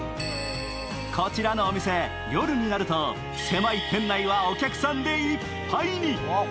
こちらのお店、夜になると狭い店内はお客さんでいっぱいに。